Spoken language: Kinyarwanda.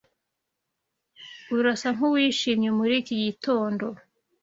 Urasa nkuwishimye muri iki gitondo.